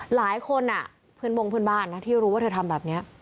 หลายคนอ่ะพื้นบงพื้นบ้านที่รู้ว่าเธอทำแบบนี้